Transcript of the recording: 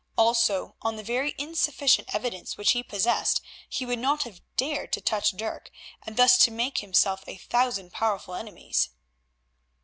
Also on the very insufficient evidence which he possessed he would not have dared to touch Dirk, and thus to make himself a thousand powerful enemies.